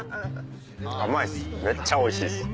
甘いっすめっちゃおいしいっす。